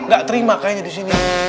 gak terima kayaknya disini